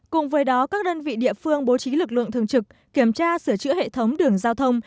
cùng với đó các đơn vị địa phương bố trí lực lượng thường trực kiểm tra sửa chữa hệ thống đường giao thông